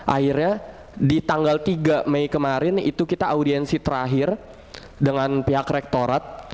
akhirnya di tanggal tiga mei kemarin itu kita audiensi terakhir dengan pihak rektorat